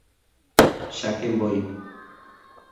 Cháke mbói